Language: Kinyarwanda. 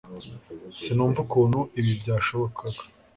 sinumva ukuntu ibi byashobokaga